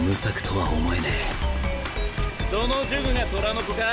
その呪具が虎の子か？